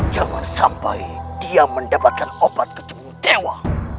jangan sampai dia mendapatkan obat kecewa